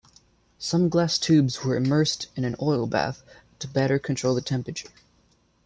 Some glass tubes were immersed in an oil bath to better control the temperature.